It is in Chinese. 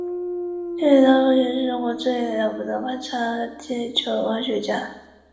术法能力出众。